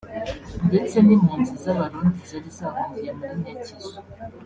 ndetse n’impunzi z’Abarundi zari zahungiye muri Nyakizu